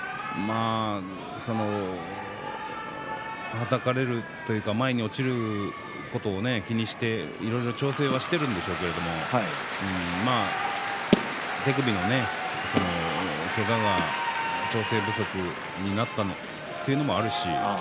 はたかれるというか前に落ちるということを気にしていろいろ調整しているんでしょうけれど手首のね、けがが調整不足になっているというのもあるし。